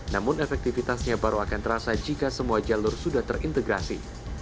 namun efektivitasnya baru akan terasa jika semua jalur sudah terintegrasi